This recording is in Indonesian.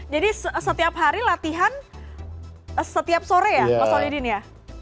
jadi setiap hari latihan setiap sore ya mas holy dean ya